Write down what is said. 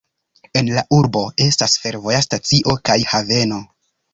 En la urbo estas fervoja stacio kaj haveno.